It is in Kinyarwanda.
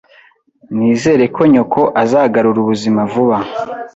Nizere ko nyoko azagarura ubuzima vuba